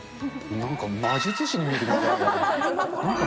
なんか魔術師に見えてきましたね。